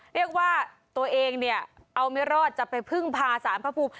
เรียกว่าตัวเองเนี่ยเอาไม่รอดจะไปพึ่งพาสารพระภูมิ